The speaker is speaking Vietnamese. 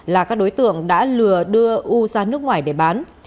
là các đối tượng đã lừa đưa u ra nước ngoài để bán